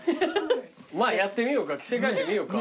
やってみようか着せ替えてみようか。